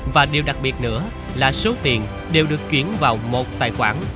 và điều đặc biệt nữa là số tiền đều được chuyển vào một tài khoản